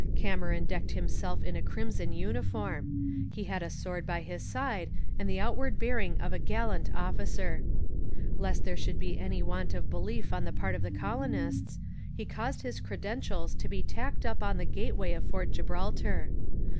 Cameron decked himself in a crimson uniform. He had a sword by his side and the outward bearing of a gallant officer. Lest there should be any want of belief on the part of the colonists, he caused his credentials to be tacked up on the gateway of Fort Gibraltar.